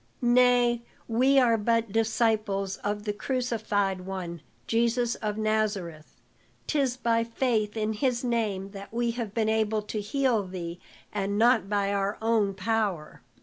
"Nay, we are but disciples of the crucified one, Jesus of Nazareth. 'Tis by faith in his name that we have been able to heal thee, and not by our own power."